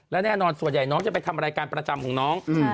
และแน่นอนส่วนใหญ่น้องจะไปทำรายการประจำของน้อง